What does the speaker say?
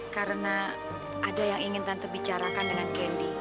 karena ada yang ingin tante bicarakan dengan candy